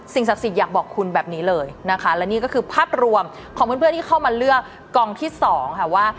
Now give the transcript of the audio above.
ศักดิ์สิทธิ์อยากบอกคุณแบบนี้เลยนะคะและนี่ก็คือภาพรวมของเพื่อนที่เข้ามาเลือกกองที่๒ค่ะว่า